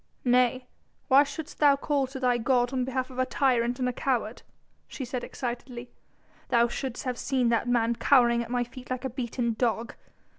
"Nay! why shouldst thou call to thy god on behalf of a tyrant and a coward," she said excitedly; "thou shouldst have seen that man cowering at my feet like a beaten dog.